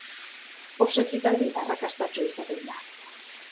Oso ekitaldi arrakastatsua izaten da.